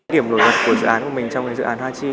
điểm nổi bật của dự án của mình trong dự án hachi